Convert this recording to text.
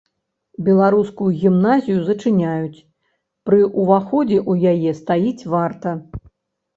Беларускую гімназію зачыняюць, пры ўваходзе ў яе стаіць варта.